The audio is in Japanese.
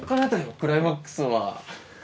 クライマックスは。